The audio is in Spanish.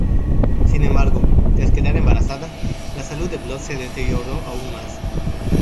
Sin embargo, tras quedar embarazada, la salud de Blood se deterioró aún más.